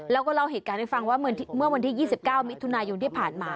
แล้วก็เล่าเหตุการณ์ให้ฟังว่าเมื่อวันที่๒๙มิถุนายนที่ผ่านมา